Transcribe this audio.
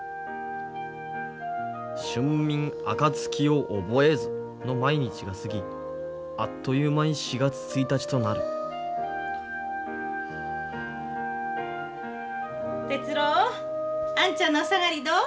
「春眠暁を覚えず」の毎日が過ぎあっという間に４月１日となる鉄郎兄ちゃんのお下がりどう？